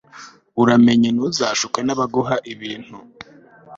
uramenye, ntuzashukwe n'abaguha ibintu